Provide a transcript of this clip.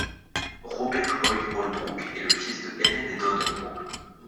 Robert Boyd Holbrook est le fils de Ellen et Don Holbrook.